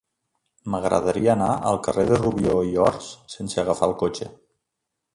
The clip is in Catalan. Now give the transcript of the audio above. M'agradaria anar al carrer de Rubió i Ors sense agafar el cotxe.